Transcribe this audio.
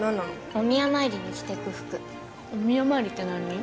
お宮参りに着てく服お宮参りって何？